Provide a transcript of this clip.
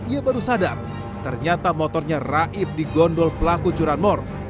ia baru sadar ternyata motornya raib di gondol pelaku curanmor